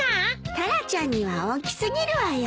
タラちゃんには大き過ぎるわよ。